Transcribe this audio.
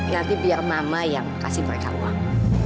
nanti biar mama yang kasih mereka uang